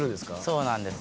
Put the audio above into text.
そうなんです。